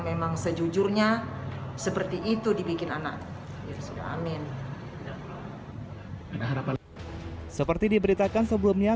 memang sejujurnya seperti itu dibikin anak suka amin ada harapan seperti diberitakan sebelumnya